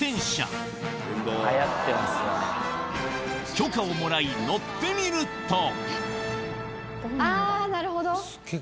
許可をもらい乗ってみるとあなるほど。